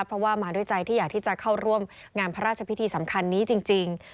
เพราะว่ามาด้วยใจที่อยากที่จะเข้าร่วมงานพระราชพิธีสำคัญนี้จริง